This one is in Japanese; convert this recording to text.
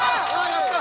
やった。